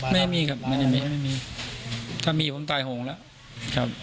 ไม่มีครับไม่ได้มีไม่มีถ้ามีผมตายโหงแล้วครับ